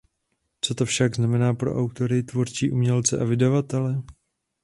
Co to však znamená pro autory, tvůrčí umělce a vydavatele?